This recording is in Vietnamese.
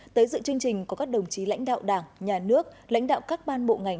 tới dự chương trình có các đồng chí lãnh đạo đảng nhà nước lãnh đạo các ban bộ ngành